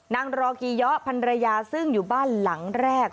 รอกีเยาะพันรยาซึ่งอยู่บ้านหลังแรก